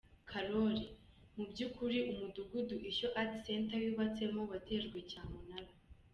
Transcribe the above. Carole: Mu by’ukuri umudugu ishyo art center yubatsemo watejwe cyamunara.